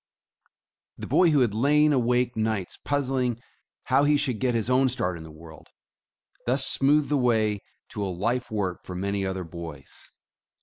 The boy who had lain awake nights puzzling how he should get his own start in the world, thus smoothed the way to a life work for many other boys.